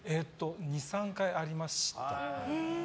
２３回ありましたね。